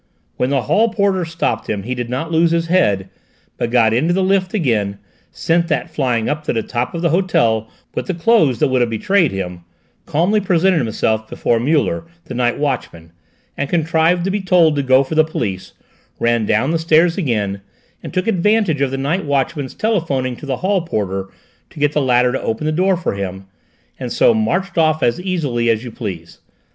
When the hall porter stopped him he did not lose his head, but got into the lift again, sent that flying up to the top of the hotel with the clothes that would have betrayed him, calmly presented himself before Muller, the night watchman, and contrived to be told to go for the police, ran down the stairs again, and took advantage of the night watchman's telephoning to the hall porter to get the latter to open the door for him, and so marched off as easily as you please.